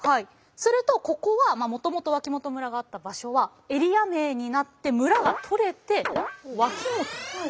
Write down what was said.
するとここはもともと脇本村があった場所はエリア名になって村が取れて脇本に。